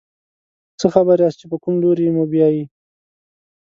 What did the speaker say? څه خبر یاست چې په کوم لوري موبیايي.